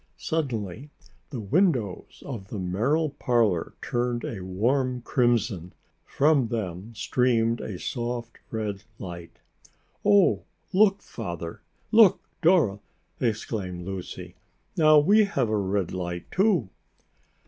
Suddenly the windows of the Merrill parlor turned a warm crimson. From them streamed a soft red light. "Oh, look, Father! Look, Dora!" exclaimed Lucy. "Now, we have a red light, too!"